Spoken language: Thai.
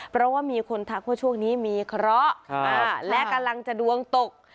เพราะว่ามีคนทักว่าช่วงนี้มีเคราะห์และกำลังจะดวงตก